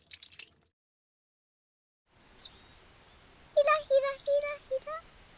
ひらひらひらひら。